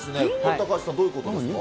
高橋さん、どういうことですか？